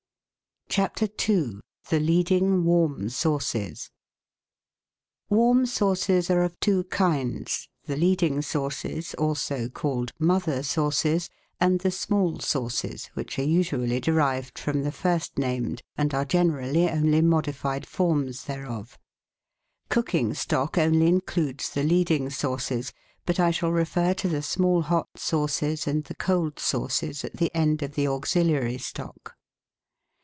CHAPTER II THE LEADING WARM SAUCES Warm sauces are of two kinds : the leading sauces, also called " mother sauces," and the small sauces, which are usually derived from the first named, and are generally only modified forms thereof. Cooking stock only includes the leading sauces, but I shall refer to the small hot sauces and the cold sauces at the end of the auxiliary stock.